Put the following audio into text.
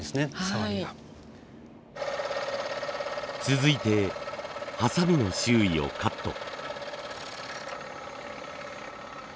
続いてハサミの周囲をカット。